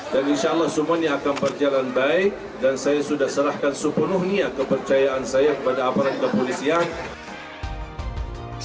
dan insya allah semuanya akan berjalan baik dan saya sudah serahkan sepenuhnya kepercayaan saya kepada aparat kepolisian